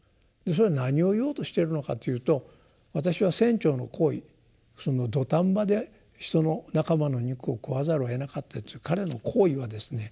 それは何を言おうとしているのかというと私は船長の行為土壇場で人の仲間の肉を食わざるをえなかったっていう彼の行為はですね